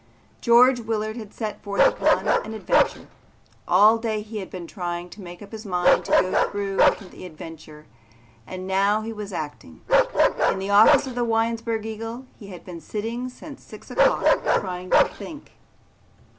George Willard had set forth upon an adventure. All day he had been trying to make up his mind to go through with the adventure and now he was acting. In the office of the Winesburg Eagle he had been sitting since six o'clock trying to think.